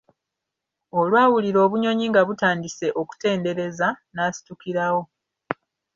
Olwawulira obunyonyi nga butandise okutendereza, n'asitukirawo.